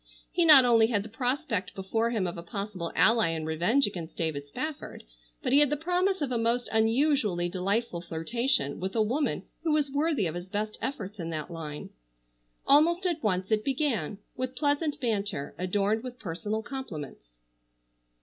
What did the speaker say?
He not only had the prospect before him of a possible ally in revenge against David Spafford, but he had the promise of a most unusually delightful flirtation with a woman who was worthy of his best efforts in that line. Almost at once it began, with pleasant banter, adorned with personal compliments.